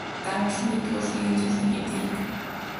Дарамтална гэдэг бол нэгэн зүйлийн гэмт хэрэг.